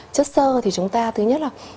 chất sơ thì chúng ta thứ nhất là